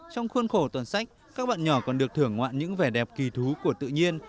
trong khuôn khổ tuần sách các bạn nhỏ còn được thưởng ngoạn những vẻ đẹp kỳ thú của tự nhiên